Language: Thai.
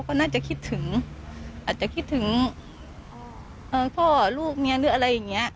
ก็น่าจะคิดถึงอาจจะคิดถึงพ่อลูกเมียหรืออะไรอย่างนี้